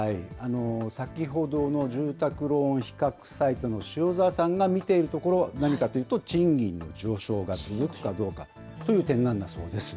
先ほどの住宅ローン比較サイトの塩澤さんが見ているところ、何かというと、賃金の上昇が続くかどうかという点なんだそうです。